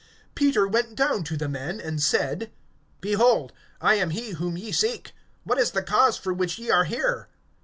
(21)Peter went down to the men, and said: Behold, I am he whom ye seek. What is the cause for which ye are here?